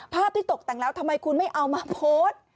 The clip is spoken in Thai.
ที่ตกแต่งแล้วทำไมคุณไม่เอามาโพสต์